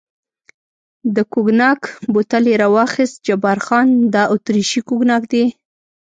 د کوګناک بوتل یې را واخیست، جبار خان: دا اتریشي کوګناک دی.